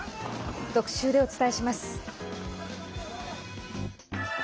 特集でお伝えします。